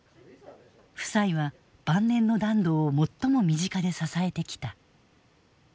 夫妻は晩年の團藤を最も身近で支えてきた。